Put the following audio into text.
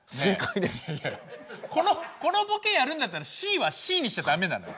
このボケやるんだったらＣはＣにしちゃ駄目なの。